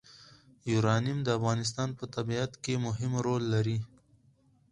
یورانیم د افغانستان په طبیعت کې مهم رول لري.